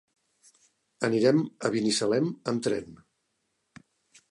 Anirem a Binissalem amb tren.